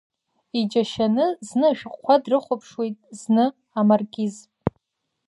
Иџьашьаны зны ашәҟәқәа дрыхәаԥшуеит, зны амаркиз.